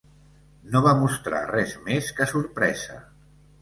No va mostrar res més que sorpresa.